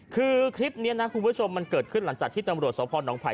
คือคลิปนี้นะคุณผู้ชมมันเกิดขึ้นหลังจากที่ตำรวจสพนภัย